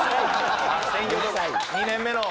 ２年目の。